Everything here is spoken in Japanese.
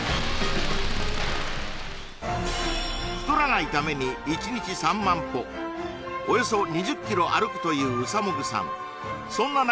太らないために１日３万歩およそ２０キロ歩くといううさもぐさん